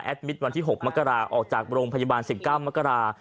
มิตรวันที่๖มกราออกจากโรงพยาบาล๑๙มกรา